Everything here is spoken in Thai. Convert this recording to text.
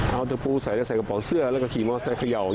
เอาเตอร์ปูใส่กระป๋องเสื้อแล้วก็ขี่มอเซตเขย่า